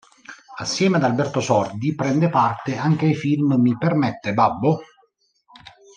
Assieme ad Alberto Sordi prende parte anche ai film "Mi permette, babbo!